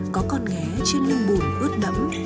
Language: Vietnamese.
có con ghé trên lưng bùi hướt đẫm